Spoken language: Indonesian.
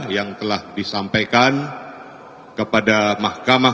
yang telah disampaikan kepada mahkamah